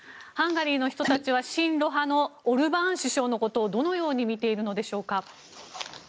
ハンガリーの人たちは親露派のオルバーン首相のことをどのように見ているのでしょうか。